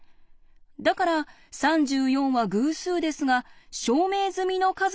だから３４は偶数ですが証明済みの数とは言えません。